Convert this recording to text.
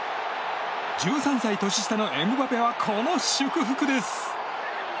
１３歳年下のエムバペはこの祝福です。